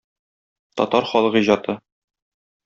Татар халык иҗаты.